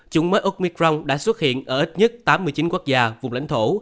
chủng mới úc micron đã xuất hiện ở ít nhất tám mươi chín quốc gia vùng lãnh thổ